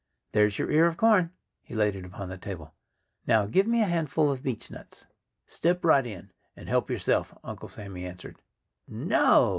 "There's your ear of corn!" He laid it upon the table. "Now give me a handful of beechnuts." "Step right in and help yourself," Uncle Sammy answered. "No!"